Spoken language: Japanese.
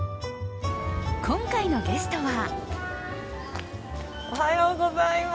今回のゲストは。